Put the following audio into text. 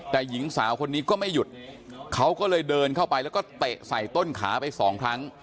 แต่หญิงสาวคนนี้ก็ไม่หยุดเขาก็เลยเดินเข้าไปแล้วก็เตะใส่ต้นขาไปสองครั้ง